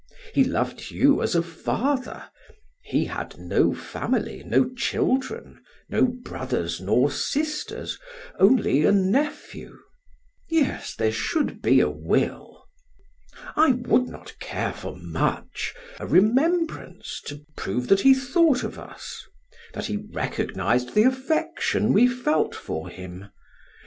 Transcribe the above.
He loved you as a father; he had no family, no children, no brothers nor sisters, only a nephew. Yes, there should be a will. I would not care for much a remembrance to prove that he thought of us that he recognized the affection we felt for him.